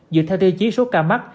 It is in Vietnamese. dựa theo tiêu chí số ca mắc